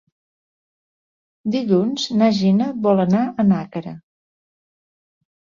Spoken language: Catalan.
Dilluns na Gina vol anar a Nàquera.